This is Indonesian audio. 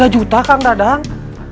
tiga juta kang dadang